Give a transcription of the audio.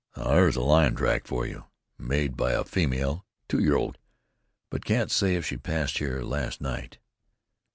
"There's a lion track for you; made by a female, a two year old; but can't say if she passed here last night.